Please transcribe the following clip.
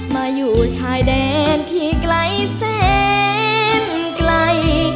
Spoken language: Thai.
มาอยู่ชายแดนที่ไกลแสนไกล